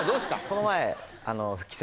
この前。